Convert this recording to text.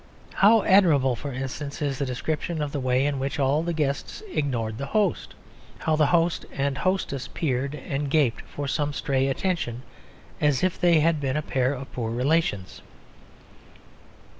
How admirable, for instance, is the description of the way in which all the guests ignored the host; how the host and hostess peered and gaped for some stray attention as if they had been a pair of poor relations.